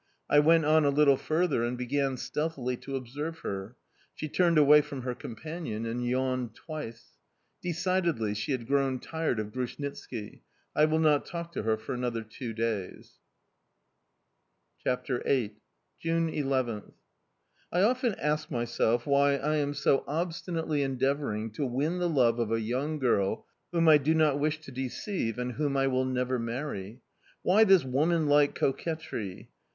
I went on a little further and began stealthily to observe her. She turned away from her companion and yawned twice. Decidedly she had grown tired of Grushnitski I will not talk to her for another two days. CHAPTER VIII. 11th June. I OFTEN ask myself why I am so obstinately endeavouring to win the love of a young girl whom I do not wish to deceive, and whom I will never marry. Why this woman like coquetry?